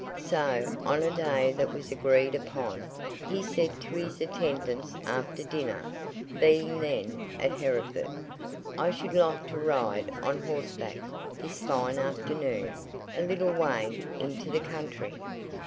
So, on a day that was agreed upon, he said to his attendants after dinner (being then at Hereford), 'I should like to ride on horseback, this fine afternoon, a little way into the country.